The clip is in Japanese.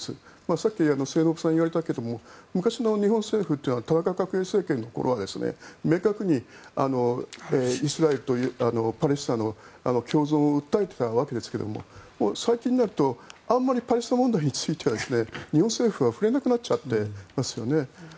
さっき末延さんが言われたけど昔の日本政府は田中角栄政権の頃は明確にイスラエルとパレスチナの共存を訴えていたわけですが最近になるとあまりパレスチナ問題については日本政府は触れなくなっちゃってますよね。